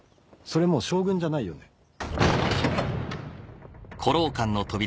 それもう将軍じゃないよね。